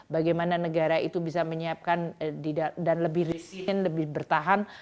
bagaimana negara itu bisa menyiapkan dan lebih riskin lebih bertahan